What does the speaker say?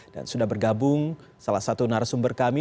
dan sudah bergabung salah satu narasumber kami